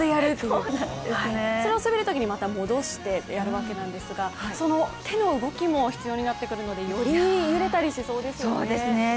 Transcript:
それを滑るときにまた戻してやるわけなんですがその手の動きも必要になってくるのでより揺れたりしそうですよね。